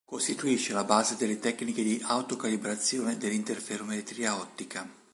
Costituisce la base delle tecniche di "auto-calibrazione" nell'interferometria ottica.